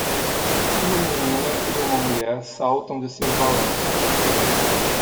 Uma menina e uma mulher saltam de seus balanços.